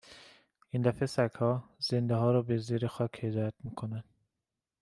این دفعه سگها، زنده ها رو به زیر خاک هدایت میکنن